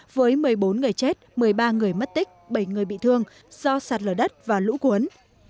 với một mươi bốn người chết một mươi ba người mất tích bảy người bị thương do sạt lở đất và lũ cuốn